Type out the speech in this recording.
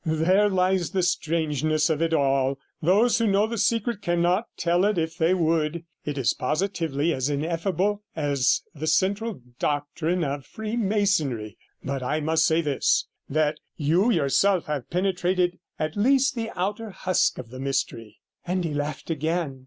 'There lies the strangeness of it all. Those who know the secret cannot tell it if they would; it is positively as ineffable as the central doctrine of freemasonry. But I may say this, that you yourself have penetrated at least the outer husk of the mystery,' and he laughed again.